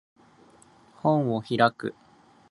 本を開く